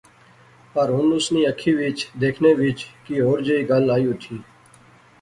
پر ہن اس نی اکھی وچ دیکھنے وچ کی ہور جئی کل آئی اٹھی